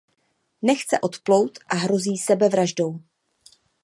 Nechce odplout a hrozí sebevraždou.